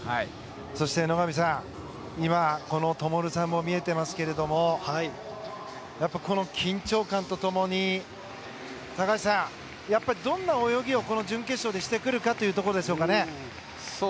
そして野上さん灯さんも見えてますけどもこの緊張感と共に高橋さん、どんな泳ぎをこの準決勝でしてくるかですね。